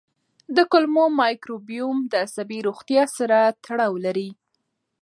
د کولمو مایکروبیوم د عصبي روغتیا سره تړاو لري.